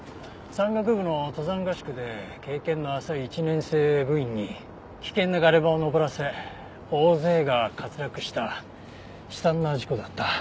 山岳部の登山合宿で経験の浅い１年生部員に危険なガレ場を登らせ大勢が滑落した悲惨な事故だった。